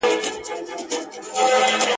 اسوېلي که دي ایستله څوک دي نه اوري آهونه !.